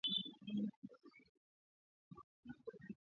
Kufura kwa sehemu ya chini ya mashavu